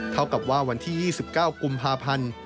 เท่ากับว่าวันที่๒๙กุมภาพันธ์